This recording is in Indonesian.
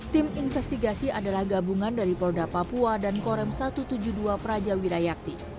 tim investigasi adalah gabungan dari polda papua dan korem satu ratus tujuh puluh dua praja widayakti